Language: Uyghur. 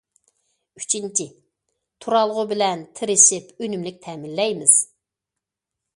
ئۈچىنچى، تۇرالغۇ بىلەن تىرىشىپ ئۈنۈملۈك تەمىنلەيمىز.